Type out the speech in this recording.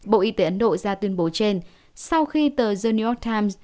bộ y tế ấn độ ra tuyên bố trên sau khi tờ the new york times